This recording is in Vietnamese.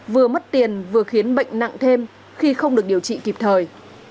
vừa mất tiền vừa khiến bệnh nặng thêm khi không được điều trị kịp thời